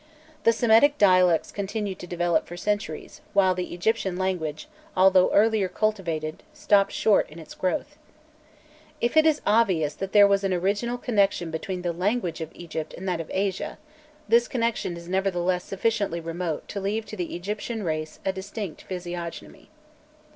The Semitic dialects continued to develop for centuries, while the Egyptian language, although earlier cultivated, stopped short in its growth. "If it is obvious that there was an original connexion between the language of Egypt and that of Asia, this connexion is nevertheless sufficiently remote to leave to the Egyptian race a distinct physiognomy."